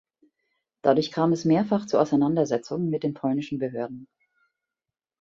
Dadurch kam es mehrfach zu Auseinandersetzungen mit den polnischen Behörden.